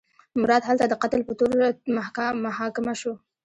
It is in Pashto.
مراد هلته د قتل په تور محاکمه شو.